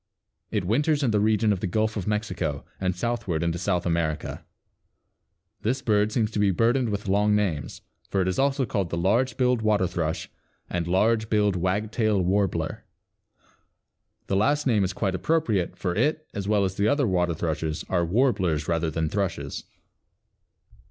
It winters in the region of the Gulf of Mexico and southward into South America. This bird seems to be burdened with long names, for it is also called the Large billed Water thrush and Large billed Wagtail Warbler. The last name is quite appropriate for it, as well as the other water thrushes, are warblers rather than thrushes.